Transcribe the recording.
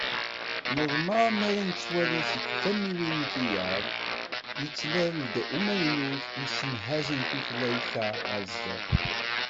Neḍmeɛ mi ara nettwali seg tamiwin tiyaḍ yettlal-d umaynut yessemhazen tutlayt-a ɣer sdat.